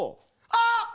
あっ！